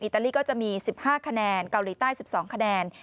ตาลีก็จะมี๑๕คะแนนเกาหลีใต้๑๒คะแนน